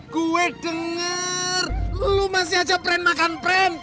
gue dengar lu masih aja beren makan beren